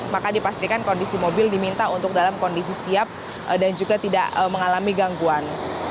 maka dipastikan kondisi mobil diminta untuk dalam kondisi siap dan juga tidak mengalami gangguan